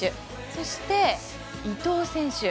そして、伊東選手。